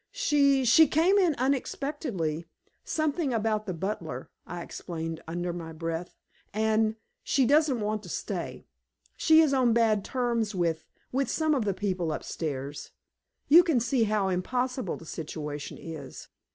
"She she came in unexpectedly something about the butler," I explained under my breath. "And she doesn't want to stay. She is on bad terms with with some of the people upstairs. You can see how impossible the situation is."